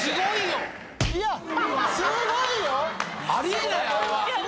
いや！